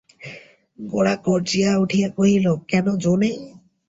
গোরা গর্জিয়া উঠিয়া কহিল, কেন জো নেই?